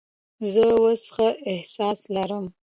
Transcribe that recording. زه اوس ښه احساس لرم.